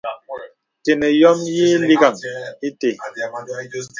Tənə yɔ̄m yì lìkgaŋ ìtə.